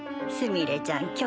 すみれちゃん